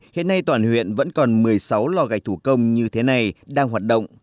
hiện nay toàn huyện vẫn còn một mươi sáu lò gạch thủ công như thế này đang hoạt động